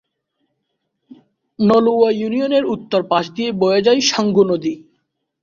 নলুয়া ইউনিয়নের উত্তর পাশ দিয়ে বয়ে চলেছে সাঙ্গু নদী।